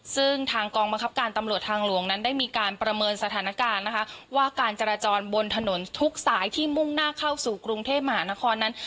ซึ่งทางกองบังคับการตำรวจทางหลวงนั้นได้มีการประเมินสถานการณ์นะคะว่าการจราจรบนถนนทุกสายที่มุ่งหน้าเข้าสู่กรุงเทพมหานครนั้น